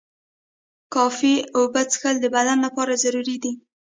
کافی اوبه څښل د بدن لپاره ضروري دي.